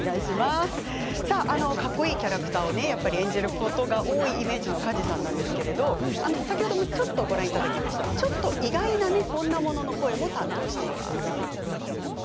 かっこいいキャラクターを演じることが多いイメージの梶さんなんですけれど先ほどもちょっとご覧いただきましたがちょっと意外なこんなものの声も担当しています。